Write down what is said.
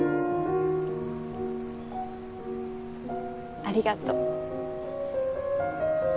ありがとう。